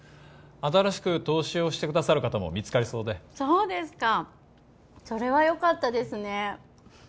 新しく投資をしてくださる方も見つかりそうでそうですかそれはよかったですね